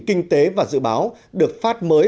kinh tế và dự báo được phát mới